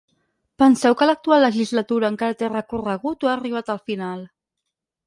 Penseu que l’actual legislatura encara té recorregut o ha arribat al final?